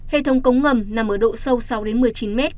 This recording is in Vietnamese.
hệ thống cống ngầm nằm ở độ sâu sáu đến một mươi chín m